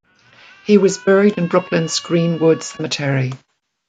He was buried in Brooklyn's Green-Wood Cemetery.